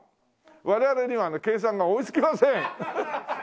我々にはね計算が追いつきません！